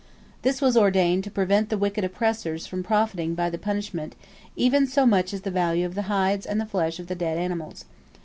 This was ordained to prevent the wicked oppressors from profiting by the punishment even so much as the value of the hides and the flesh of the dead animals.